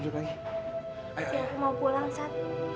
ayah aku mau pulang sat